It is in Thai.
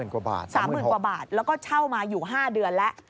๓๐๐๐๐กว่าบาท๓๐๐๐๐กว่าบาทแล้วก็เช่ามาอยู่๕เดือนแล้ว